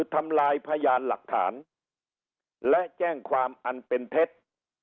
ทำลายพยานหลักฐานและแจ้งความอันเป็นเท็จ